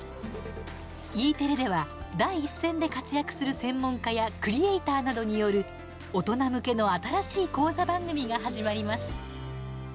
Ｅテレでは第一線で活躍する専門家やクリエーターなどによる大人向けの新しい講座番組が始まります。